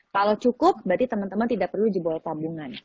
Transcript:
kalau cukup berarti temen temen tidak perlu jebol tabungan